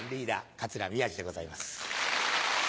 桂宮治でございます。